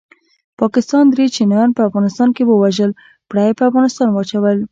پاکستان دري چینایان په افغانستان کې ووژل پړه یې په افغانستان واچول